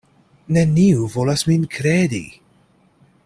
Neniu volas min kredi.